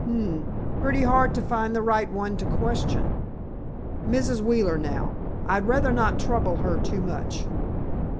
"H'm. Pretty hard to find the right one to question. Mrs. Wheeler, now—I'd rather not trouble her too much."